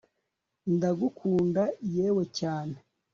ndagukunda, yewe, cyane